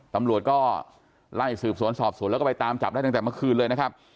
ตำรวจก็ไล่สืบสวนสอบสวนแล้วก็ไปตามจับได้ตั้งแต่เมื่อคืนเลยนะครับ